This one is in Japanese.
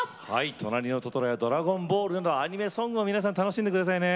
「となりのトトロ」「ドラゴンボール」などアニソンもお楽しんでくださいね。